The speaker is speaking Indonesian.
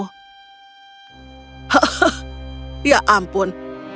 hah ya ampun